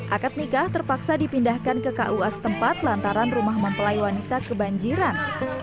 akad nikah terpaksa dipindahkan ke kua setempat lantaran rumah mempelai wanita kebanjiran